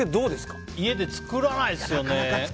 家で作らないですよね。